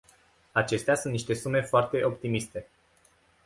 Acestea sunt niște sume foarte optimiste.